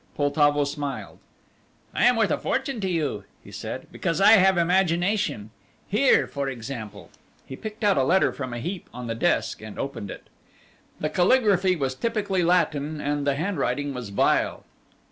Poltavo smiled. "I am worth a fortune to you," he said, "because I have imagination. Here, for example." He picked out a letter from a heap on the desk and opened it. The caligraphy was typically Latin and the handwriting was vile.